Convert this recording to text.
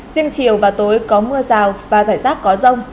riêng chiều và tối có mưa rào và rải rác có rông